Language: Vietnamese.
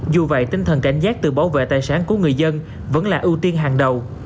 dù vậy tinh thần cảnh giác tự bảo vệ tài sản của người dân vẫn là ưu tiên hàng đầu